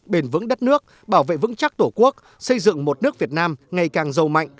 bền vững đất nước bảo vệ vững chắc tổ quốc xây dựng một nước việt nam ngày càng giàu mạnh